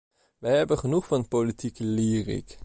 Wij hebben genoeg van politieke lyriek.